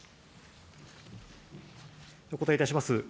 お答えいたします。